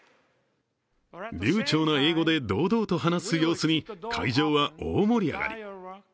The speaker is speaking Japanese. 流ちょうな英語で堂々と話す様子に会場は大盛り上がり。